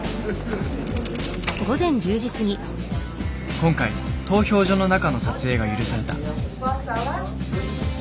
今回投票所の中の撮影が許された。